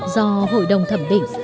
do hội đồng thẩm định